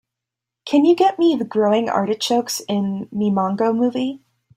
Can you get me the Growing Artichokes in Mimongo movie?